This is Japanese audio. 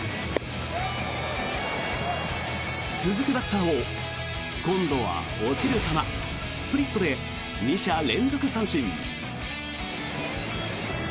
続くバッターを今度は落ちる球スプリットで２者連続三振。